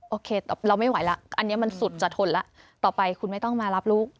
โอเคเราไม่ไหวแล้วอันนี้มันสุดจะทนแล้วต่อไปคุณไม่ต้องมารับลูก